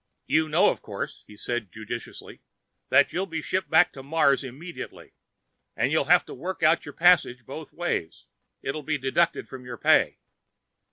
"You know, of course," he said judiciously, "that you'll be shipped back to Mars immediately. And you'll have to work out your passage both ways—it will be deducted from your pay."